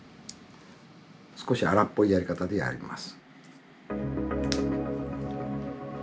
少し荒っぽいやり方でやります。